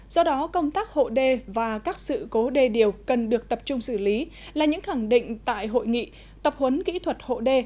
do đó công tác hộ đê và các sự cố đê điều cần được tập trung xử lý là những khẳng định tại hội nghị tập huấn kỹ thuật hộ đê